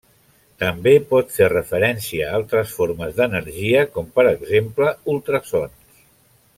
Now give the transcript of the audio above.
També pot fer referència a altres formes d'energia com per exemple ultrasons.